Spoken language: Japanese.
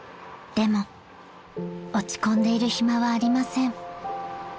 ［でも落ち込んでいる暇はありません］